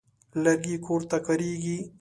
لرګي کور ته کارېږي.